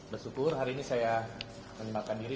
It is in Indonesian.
besyukur hari ini saya menyimalkan diri